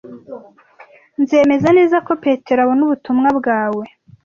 Nzemeza neza ko Petero abona ubutumwa bwawe.